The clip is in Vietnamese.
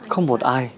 không một ai